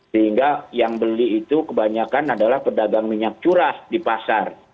sehingga yang beli itu kebanyakan adalah pedagang minyak curah di pasar